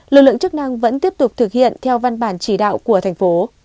lực lượng chức năng vẫn tiếp tục thực hiện theo văn bản chỉ đạo của thành phố